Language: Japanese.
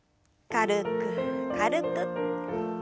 軽く軽く。